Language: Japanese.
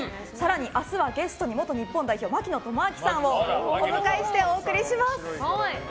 明日はゲストに元日本代表の槙野智章さんをお迎えしてお送りします。